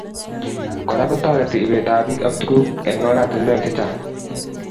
Kora kotoriti ibet ab bik ak tukuk eng oratinwek che chang'